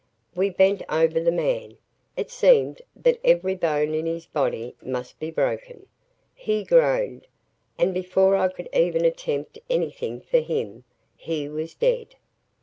We bent over the man. It seemed that every bone in his body must be broken. He groaned, and before I could even attempt anything for him, he was dead.